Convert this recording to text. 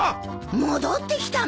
戻ってきたの？